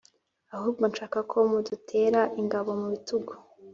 ahubwo nshaka ko mudutera ingabo mubitugu